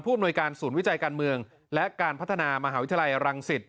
อำนวยการศูนย์วิจัยการเมืองและการพัฒนามหาวิทยาลัยรังสิต